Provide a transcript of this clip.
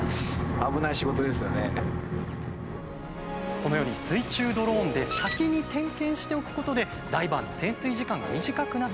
このように水中ドローンで先に点検しておくことでダイバーの潜水時間が短くなって。